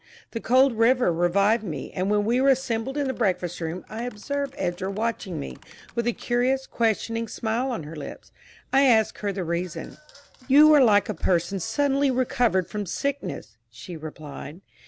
The cold river revived me, and when we were assembled in the breakfast room I observed Edra watching me, with a curious, questioning smile on her lips. I asked her the reason. "You are like a person suddenly recovered from sickness," she replied.